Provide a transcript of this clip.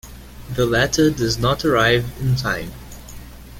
The letter does not arrive in time.